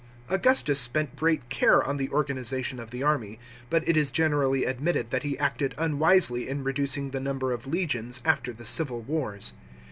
Augustus spent great care on the organisation of the army, but it is generally admitted that he acted unwisely in reducing the number of legions after the civil wars.